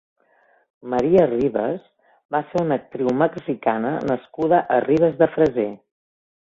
María Rivas va ser una actriu mexicana nascuda a Ribes de Freser.